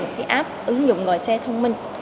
một cái app ứng dụng gọi xe thông minh